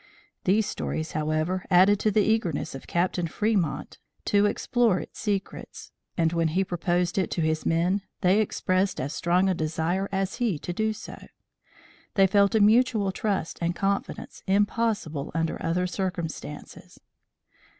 These stories, however, added to the eagerness of Captain Fremont to explore its secrets, and, when he proposed it to his men, they expressed as strong a desire as he to do so. They felt a mutual trust and confidence impossible under other circumstances.